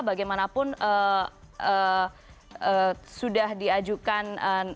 bagaimanapun sudah diajukan